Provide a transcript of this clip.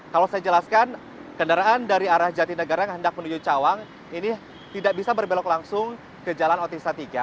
kalau saya jelaskan kendaraan dari arah jati negara yang hendak menuju cawang ini tidak bisa berbelok langsung ke jalan otista tiga